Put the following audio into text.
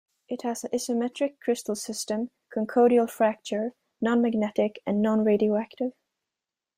It has an isometric crystal system, Conchoidal fracture, non-magnetic and non-radioactive.